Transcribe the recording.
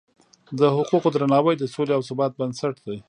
د حقونو درناوی د سولې او ثبات بنسټ دی.